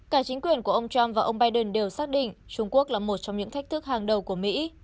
cả chính quyền của ông trump và ông biden đều xác định trung quốc là một trong những thách thức hàng đầu của mỹ